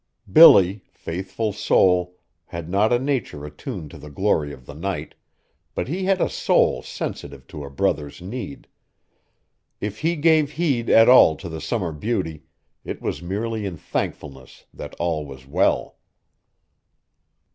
Billy, faithful soul, had not a nature attuned to the glory of the night, but he had a soul sensitive to a brother's need. If he gave heed at all to the summer beauty, it was merely in thankfulness that all was well.